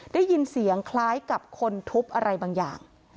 ได้ยินเสียงคล้ายกับคนทุบอะไรบางอย่าง